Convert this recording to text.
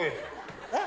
えっ？